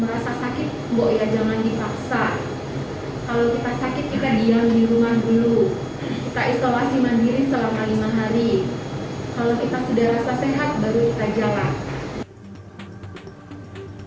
merasa sakit mbok ya jangan dipaksa kalau kita sakit kita diam di rumah dulu kita isolasi mandiri selama lima hari kalau kita sudah rasa sehat baru kita jalan